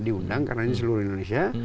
diundang karena ini seluruh indonesia